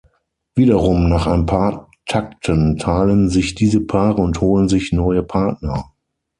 Wiederum nach ein paar Takten teilen sich diese Paare und holen sich neue Partner.